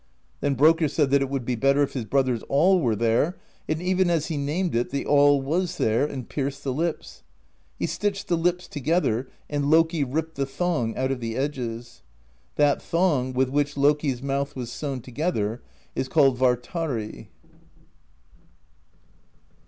Then Brokkr said that it would be better if his brother's awl were there: and even as he named it, the awl was there, and pierced the lips. He stitched the lips together, and Loki ripped the thong out of the edges. That thong, with which Loki's mouth was sewn together, is called Vartari.